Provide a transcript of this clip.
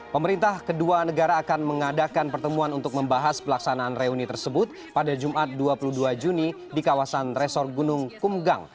pemerintah kedua negara akan mengadakan pertemuan untuk membahas pelaksanaan reuni tersebut pada jumat dua puluh dua juni di kawasan resor gunung kumgang